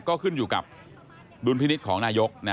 ก็ขึ้นอยู่กับดุลพินิษฐ์ของนายก